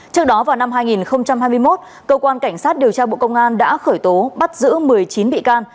trước đó vào năm hai nghìn hai mươi một cơ quan cảnh sát điều tra bộ công an đã khởi tố bắt giữ một mươi chín bị can